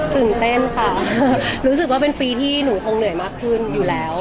ตื่นเต้นค่ะรู้สึกว่าเป็นปีที่หนูคงเหนื่อยมากขึ้นอยู่แล้ว